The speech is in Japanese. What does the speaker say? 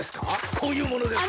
こういうものです！